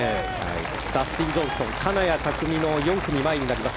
ダスティン・ジョンソン金谷拓実の４組前になります。